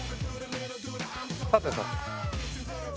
さてさて。